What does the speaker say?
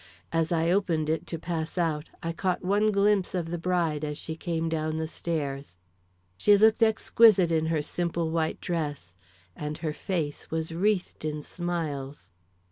As I opened it to pass out I caught one glimpse of the bride as she came down the stairs. She looked exquisite in her simple white dress, and her face was wreathed in smiles. XXV.